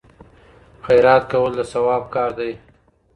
خیرات کول د ثواب کار دی.